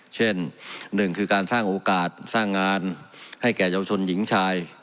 เช่นหนึ่งคือการสร้างโอกาสสร้างงานให้แก่เยาวชนหญิงชาย